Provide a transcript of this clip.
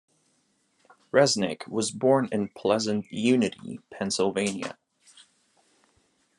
Resnik was born in Pleasant Unity, Pennsylvania.